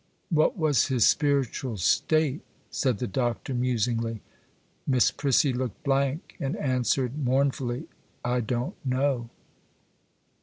'What was his spiritual state?' said the Doctor, musingly. Miss Prissy looked blank, and answered mournfully,— 'I don't know.